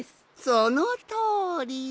そのとおり。